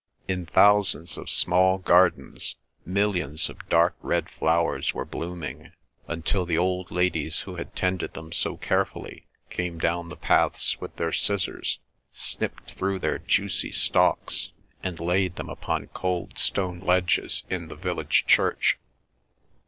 In thousands of small gardens, millions of dark red flowers were blooming, until the old ladies who had tended them so carefully came down the paths with their scissors, snipped through their juicy stalks, and laid them upon cold stone ledges in the village church.